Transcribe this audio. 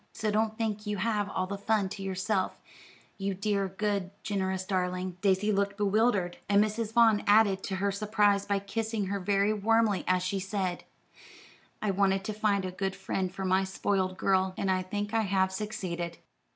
So don't think you have all the fun to yourself, you dear, good, generous darling." Daisy looked bewildered, and Mrs. Vaughn added to her surprise by kissing her very warmly as she said: "I wanted to find a good friend for my spoiled girl, and I think I have succeeded."